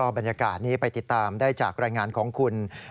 บรรยากาศนี้ไปติดตามได้จากรายงานของคุณ